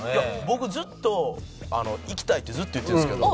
僕ずっと行きたいってずっと言ってるんですけど。